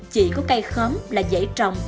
chỉ có cây khóm là dễ trồng